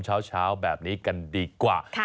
เช้าแบบนี้กันดีกว่า